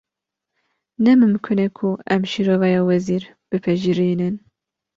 Ne mimkûn e ku em şîroveya wezîr bipejirînin